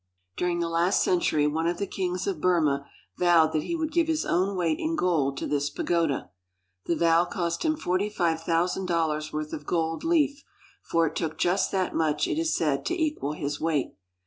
During the last century one of the kings of Burma vowed that he would give his own weight in gold to this pagoda. The vow cost him forty five thousand dollars' worth of gold leaf, for it took just that much, it is said, to equal his weight.